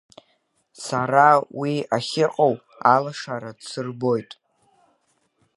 Сара уи ахьыҟоу алашара дсырбоит.